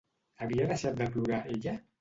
Havia deixat de plorar ella?